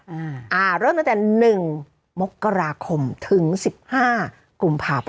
ก็ต้องตั้งแต่๑มกราคมถึง๑๕กลุ่มภาพันธ์